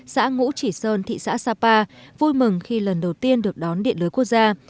xã ngũ chỉ sơn thị xã sapa vui mừng khi lần đầu tiên được đón điện lưới quốc gia